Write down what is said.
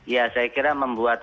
ya saya kira membuat